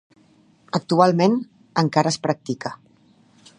Actualment, encara es practica.